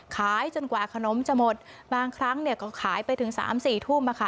ขายจนกว่าขนมจะหมดบางครั้งก็ขายไปถึง๓๔ทุ่มมาค่ะ